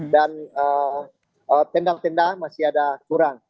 dan tendang tendang masih ada kurang